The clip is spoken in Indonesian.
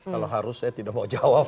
kalau harus saya tidak mau jawab